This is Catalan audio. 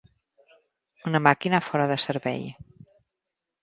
Una màquina fora de servei.